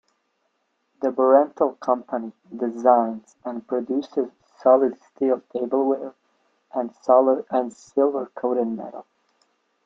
The Barenthal company designs and produces solid steel tableware and silver-coated metal.